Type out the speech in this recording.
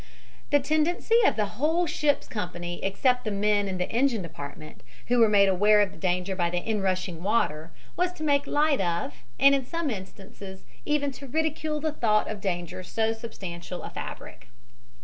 The tendency of the whole ship's company except the men in the engine department, who were made aware of the danger by the inrushing water, was to make light of and in some instances even to ridicule the thought of danger to so substantial a fabric.